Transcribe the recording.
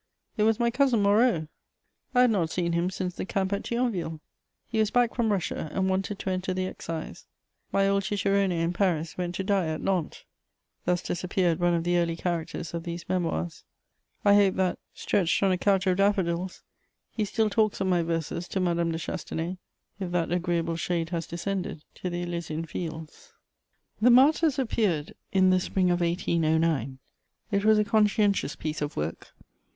It was my cousin Moreau! I had not seen him since the camp at Thionville. He was back from Russia and wanted to enter the excise. My old cicerone in Paris went to die at Nantes. Thus disappeared one of the early characters of these Memoirs. I hope that, stretched on a couch of daffodils, he still talks of my verses to Madame de Chastenay, if that agreeable shade has descended to the Elysian Fields. * [Sidenote: The Martyrs.] The Martyrs appeared in the spring of 1809. It was a conscientious piece of work.